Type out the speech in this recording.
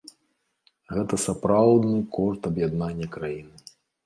Гэта сапраўдны кошт аб'яднання краіны.